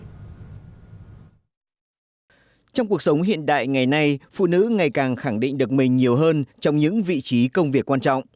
trong cuộc sống hiện đại ngày nay phụ nữ ngày càng khẳng định được mình nhiều hơn trong những vị trí công việc quan trọng